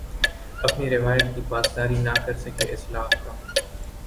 اپنی روایت کی پاسداری نہ کر سکے اصلاح کا